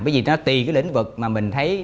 bởi vì nó tùy cái lĩnh vực mà mình thấy